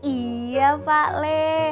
iya pak le